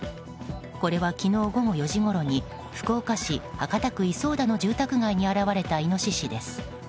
これは昨日午後４時ごろに福岡市博多区井相田の住宅街に現れたイノシシです。